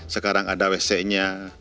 sekarang ada wc nya